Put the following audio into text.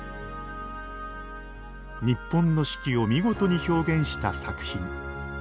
日本の四季を見事に表現した作品。